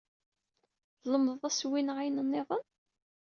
Tlemdeḍ asewwi neɣ ayen nniḍen?